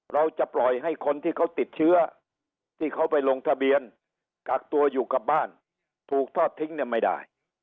เราจะปล่อยให้คนที่เขาติดเชื้อที่เขาไปลงทะเบียนกักตัวอยู่กับบ้านถูกทอดทิ้งเนี่ยไม่ได้